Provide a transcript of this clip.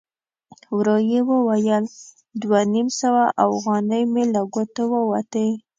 ورو يې وویل: دوه نيم سوه اوغانۍ مې له ګوتو ووتې!